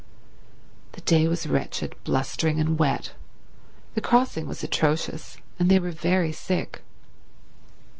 The day was wretched, blustering and wet; the crossing was atrocious, and they were very sick.